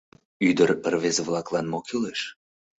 Ӱдыр-рвезе-влаклан мо кӱлеш?